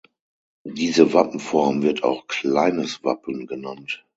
Diese Wappenform wird auch "kleines Wappen" genannt.